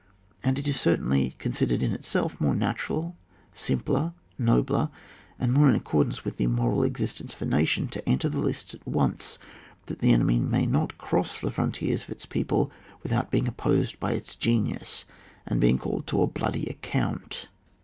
And it certainly is — considered in itself — more natural, simpler, nobler, and more in accordance with the moral existence of a nation, to enter the lists at once, that the enemy may not cross the frontiers of its people without being opposed by its genius, and being called to a bloody account.